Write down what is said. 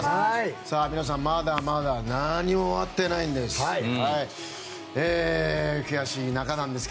皆さん、まだまだ何も終わってないんです。